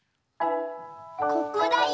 ここだよ。